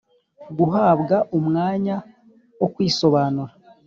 guhabwa umwanya wo kwisobanura